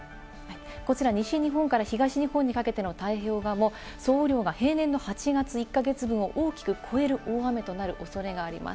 こちら西日本から東日本にかけての太平洋側も総雨量が平年の８月１か月分を大きく超える大雨となる恐れがあります。